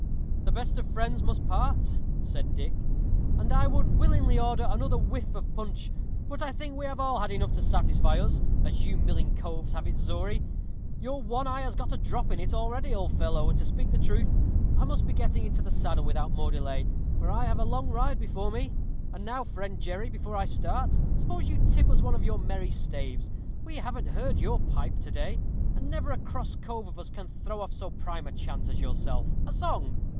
"The best of friends must part," said Dick; "and I would willingly order another whiff of punch, but I think we have all had enough to satisfy us, as you milling coves have it, Zory! Your one eye has got a drop in it already, old fellow; and, to speak the truth, I must be getting into the saddle without more delay, for I have a long ride before me. And now, friend Jerry, before I start, suppose you tip us one of your merry staves; we haven't heard your pipe to day, and never a cross cove of us all can throw off so prime a chant as yourself. A song!